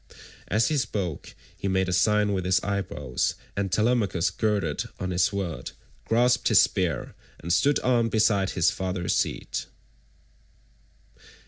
As he spoke he made a sign with his eyebrows, and Telemachus girded on his sword, grasped his spear, and stood armed beside his father's seat.